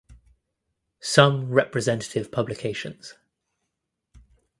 Some representative publications